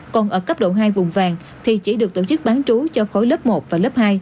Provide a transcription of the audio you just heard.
còn ở cấp độ hai vùng vàng thì chỉ được tổ chức bán trú cho khối lớp một và lớp hai